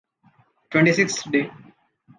The twenty-sixth day.